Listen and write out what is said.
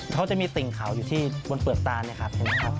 เขาจะมีติ่งเขาอยู่ที่บนเปลือกตานะครับ